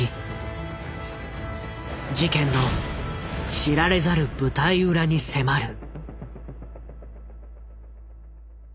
事件の知られざる舞台裏に迫る。